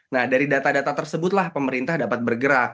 nah dari data data tersebutlah pemerintah dapat bergerak